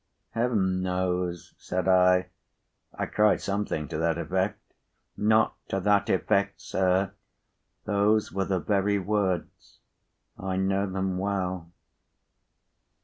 "Heaven knows," said I. "I cried something to that effect—" "Not to that effect, sir. Those were the very words. I know them well."